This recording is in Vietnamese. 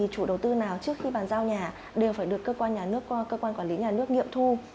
chủ đầu tư nào trước khi bàn giao nhà đều phải được cơ quan quản lý nhà nước nghiệm thu